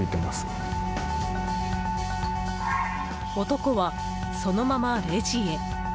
男はそのままレジへ。